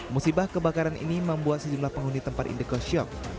musibah kebakaran ini membuat sejumlah penghuni tempat indekos shock